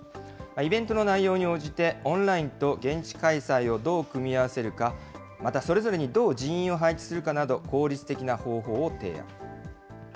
イベントの内容に応じて、オンラインと現地開催をどう組み合わせるか、またそれぞれにどう人員を配置するかなど、効率的な方法を提案。